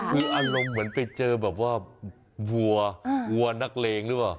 คืออารมณ์เหมือนไปเจอแบบว่าวัววัวนักเลงหรือเปล่า